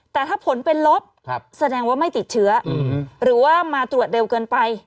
แต่ถ้าผลเป็นลบแสดงว่าไม่ติดเชื้อหรือว่ามาตรวจเร็วเกินไป